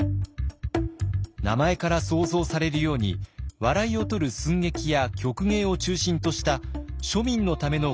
名前から想像されるように笑いをとる寸劇や曲芸を中心とした庶民のための娯楽だったのです。